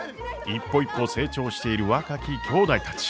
一歩一歩成長している若ききょうだいたち。